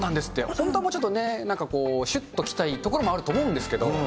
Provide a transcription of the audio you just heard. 本当はもうちょっとね、しゅっと着たいところもあると思うんですけど。